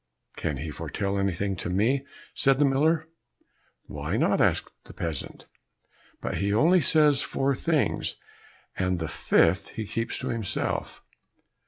"Can he foretell anything to me?" said the miller. "Why not?" answered the peasant, "but he only says four things, and the fifth he keeps to himself."